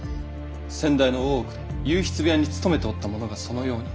先代の大奥で右筆部屋に勤めておったものがそのように。